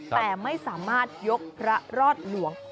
แต่ไม่สามารถยกพระรอดหลวง